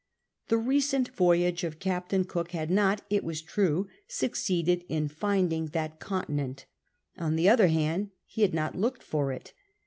The recent voyage of Captain Cook had not, it was true, succeeded in finding that continent ; on the other hand, he had not looked for it.